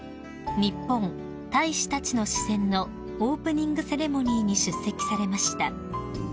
「にっぽん−大使たちの視線」のオープニングセレモニーに出席されました］